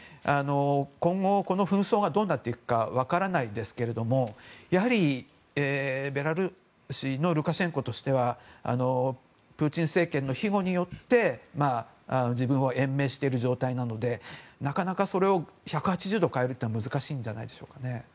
今後、この紛争がどうなるか分からないですけどやはりベラルーシのルカシェンコとしてはプーチン政権の庇護によって自分を延命している状態なのでなかなかそれを１８０度変えることは難しいんじゃないでしょうか。